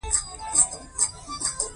هارون جان حکیمي ته یې وویل.